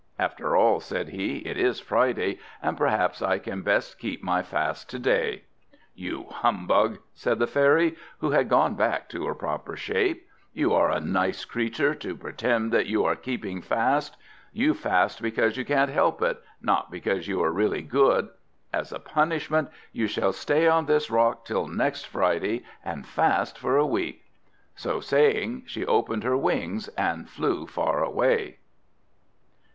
"After all," said he, "it is Friday; and perhaps I had best keep my fast to day." "You humbug!" said the fairy, who had gone back to her proper shape; "you are a nice creature to pretend that you are keeping fast! You fast because you can't help it, not because you are really good. As a punishment, you shall stay on this rock till next Friday, and fast for a week!" So saying, she opened her wings and flew far away.